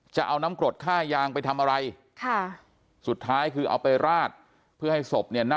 จะเอาน้ำกรดค่ายางไปทำอะไรค่ะสุดท้ายคือเอาไปราดเพื่อให้ศพเนี่ยเน่า